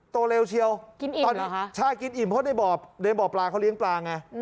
โตเร็วเชียวใช่กินอิ่มเพราะในบ่อปลาเขาเลี้ยงปลาไง